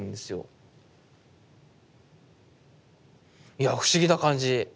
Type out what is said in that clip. いや不思議な感じ。